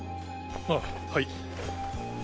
あっはい。